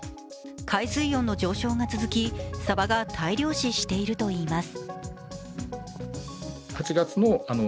海水温の上昇が続きサバが大量死しているといいます。